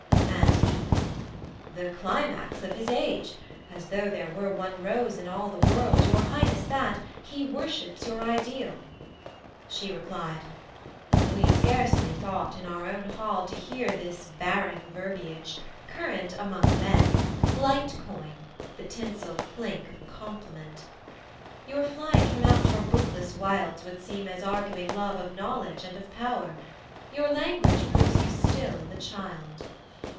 and he: 'The climax of his age! as though there were One rose in all the world, your Highness that, He worships your ideal:' she replied: 'We scarcely thought in our own hall to hear This barren verbiage, current among men, Light coin, the tinsel clink of compliment. Your flight from out your bookless wilds would seem As arguing love of knowledge and of power; Your language proves you still the child.